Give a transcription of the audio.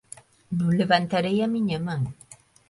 Non levantarei a miña man.